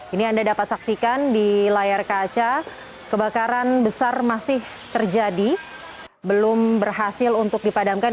ini anda dapat saksikan di layar kaca kebakaran besar masih terjadi belum berhasil untuk dipadamkan